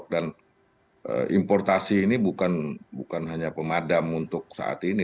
dan importasi ini bukan hanya pemadam untuk saat ini